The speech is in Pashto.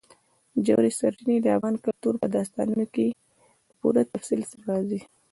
ژورې سرچینې د افغان کلتور په داستانونو کې په پوره تفصیل سره راځي.